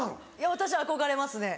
私憧れますね。